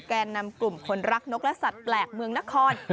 แก่นำกลุ่มคนรักนกและสัตว์แปลกเมืองนคร